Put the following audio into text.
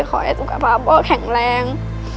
ขอให้สุขภาพพ่อแข็งแรง